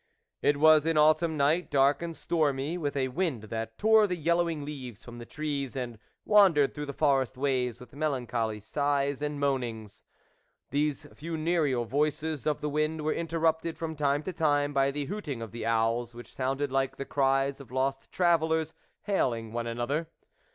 It was an autumn n?.ght, dark and stormy, with a wind that tore the yellowing leaves from the trees, and wandered through the forest ways with melancholy sighs and meanings. THE WOLF LEADER These funereal voices of the wind were interrupted from time to time by the hooting of the owls, which sounded like the cries of lost travellers, hailing one another.